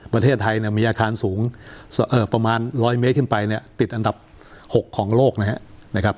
ประเทศไทยเนี่ยมีอาคารสูงประมาณ๑๐๐เมตรขึ้นไปเนี่ยติดอันดับ๖ของโลกนะครับ